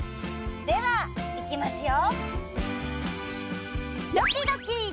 ではいきますよ。